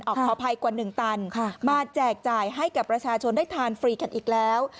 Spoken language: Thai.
ขออภัยกว่า๑ตันมาแจกจ่ายให้กับประชาชนได้ทานฟรีกันอีกแล้ว